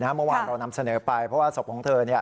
เมื่อวานเรานำเสนอไปเพราะว่าศพของเธอ